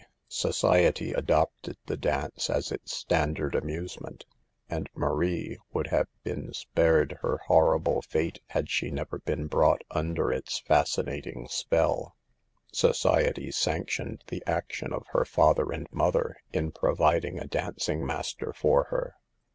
Society adopted the dance as its standard amusement, and Marie would have been spared her horrible fate had she never been brought under its fascinating spell. THE EVILS OF DANCING* 99 Society sanctioned the action of her father and mother in providing a dancing mas ter for her.